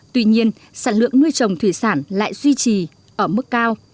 tuy nhiên sản lượng nuôi trồng thủy sản lại duy trì ở mức cao